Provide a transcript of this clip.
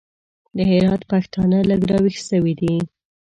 د هرات پښتانه لږ راوېښ سوي دي.